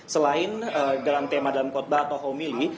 selain dalam tema dalam khutbah atau homili